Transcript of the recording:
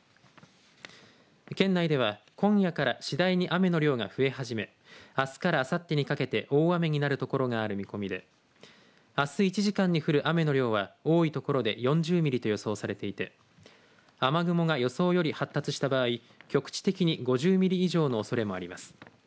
県内では今夜から次第に雨の量が増え始めあすからあさってにかけて大雨になるところがある見込みであす１時間に降る雨の量は多いところで４０ミリと予想されていて雨雲が予想より発達した場合局地的に５０ミリ以上のおそれもあります。